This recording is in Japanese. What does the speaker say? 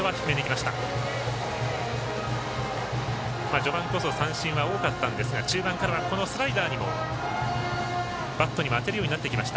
序盤こそ三振は多かったんですが中盤からはスライダーにもバットに当てるようになってきました。